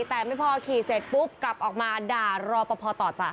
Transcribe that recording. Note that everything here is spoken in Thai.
แต่ไม่พอขี่เสร็จปุ๊บกลับออกมาด่ารอปภต่อจ้ะ